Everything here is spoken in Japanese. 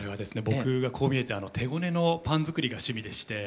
僕がこう見えて手ごねのパン作りが趣味でして。